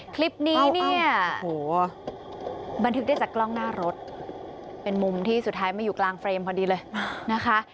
คลิปนี้เนี่ยโอ้โหบันทึกได้จากกล้องหน้ารถเป็นมุมที่สุดท้ายมาอยู่กลางเฟรมพอดีเลยนะคะ